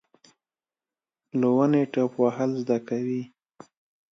له ونې ټوپ وهل زده کوي .